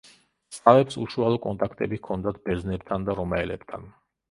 სლავებს უშუალო კონტაქტები ჰქონდათ ბერძნებთან და რომაელებთან.